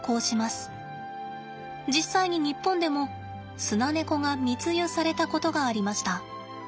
実際に日本でもスナネコが密輸されたことがありました。